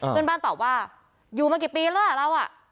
เพื่อนบ้านตอบว่าอยู่มากี่ปีแล้วเราอ่ะ